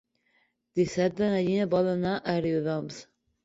Dissabte na Gina vol anar a Riudoms.